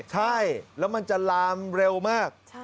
ใช่แล้วมันจะลามเร็วมาก